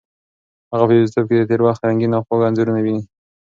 هغه په یوازیتوب کې د تېر وخت رنګین او خوږ انځورونه ویني.